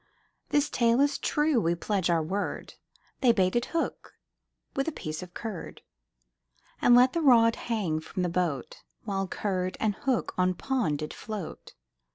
This tale is true we pledge our word, They baited hook with a piece of curd, And let the rod hang from the boat, While curd and hook on pond did float.